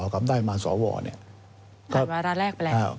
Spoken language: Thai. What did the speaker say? ขาดวาดระแรกไปแล้ว